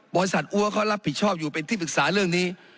อัวเขารับผิดชอบอยู่เป็นที่ปรึกษาเรื่องนี้